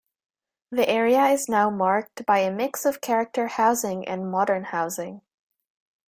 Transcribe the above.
The area is now marked by a mix of character housing and modern housing.